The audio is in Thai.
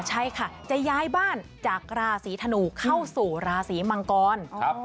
ใช่ค่ะจะย้ายบ้านจากราศีธนูเข้าสู่ราศีมังกร